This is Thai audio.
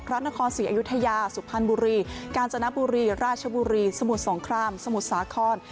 พระนครศรีอยุธยาสุพรรณบุรีกาญจนบุรีราชบุรีสมุทรสงครามสมุทรสาคร